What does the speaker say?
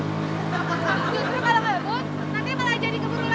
justru kalau mabuk nanti malah jadi keburu lahiran